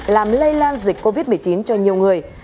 làm lây lan dịch covid một mươi chín cho nhiều người